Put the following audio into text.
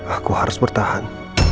aku harus bertahan